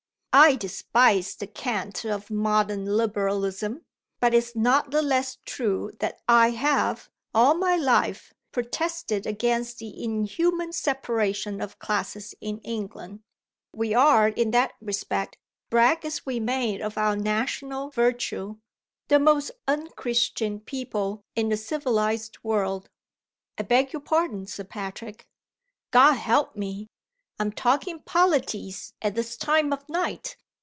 I despise the cant of modern Liberalism; but it's not the less true that I have, all my life, protested against the inhuman separation of classes in England. We are, in that respect, brag as we may of our national virtue, the most unchristian people in the civilized world." "I beg your pardon, Sir Patrick " "God help me! I'm talking polities at this time of night!